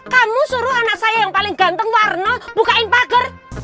kamu suruh anak saya yang paling gantung warna bukain pagar